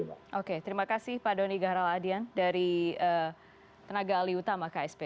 oke terima kasih pak doni gahral adian dari tenaga alih utama ksp